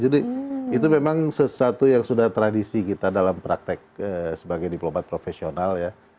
itu memang sesuatu yang sudah tradisi kita dalam praktek sebagai diplomat profesional ya